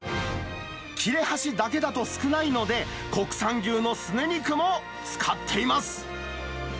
切れ端だけだと少ないので、国産牛のすね肉も使っています。